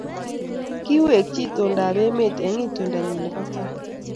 kiwekchi itondap emet eng itondanyi nebo tai